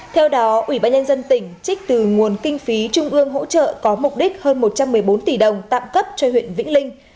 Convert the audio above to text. theo đó ủy ban nhân dân tỉnh trích từ nguồn kinh phí trung ương hỗ trợ có mục đích hơn một trăm một mươi bốn tỷ đồng tạm cấp cho huyện vĩnh linh